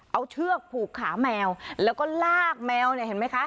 เอาเชือกผูกขาแมวแล้วก็ลากแมวเนี่ยเห็นไหมคะ